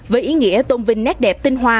với ý nghĩa tôn vinh nét đẹp tinh hoa